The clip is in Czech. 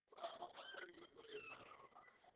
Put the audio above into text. Kandidoval také do Zastupitelstva Zlínského kraje.